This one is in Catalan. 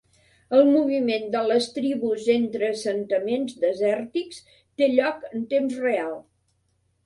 El moviment de les tribus entre assentaments desèrtics té lloc en temps real.